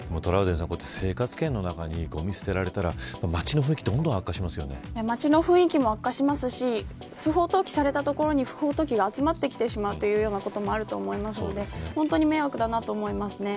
生活圏の中にごみを捨てられたら、町の雰囲気街の雰囲気も悪化しますし不法投棄された所に不法投棄が集まってしまうこともあるので本当に迷惑だと思います。